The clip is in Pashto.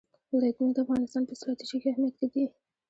ولایتونه د افغانستان په ستراتیژیک اهمیت کې دي.